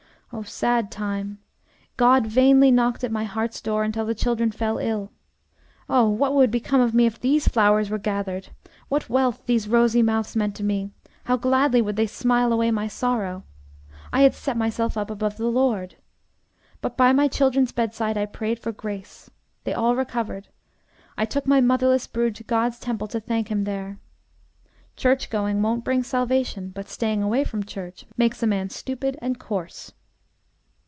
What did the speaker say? Oh, sad time! God vainly knocked at my heart's door until the children fell ill. Oh, what would become of me if these flowers were gathered? What wealth these rosy mouths meant to me, how gladly would they smile away my sorrow! I had set myself up above the Lord. But by my children's bedside I prayed for grace. They all recovered. I took my motherless brood to God's temple to thank Him there. Church going won't bring salvation, but staying away from church makes a man stupid and coarse.